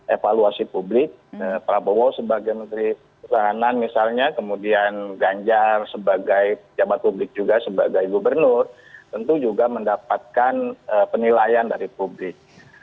evaluasi publik prabowo sebagai menteri pertahanan misalnya kemudian ganjar sebagai pejabat publik juga sebagai gubernur tentu juga mendapatkan penilaian dari publik